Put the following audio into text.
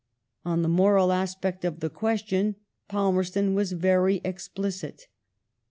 On the moral aspect of the question Palmerston was very explicit.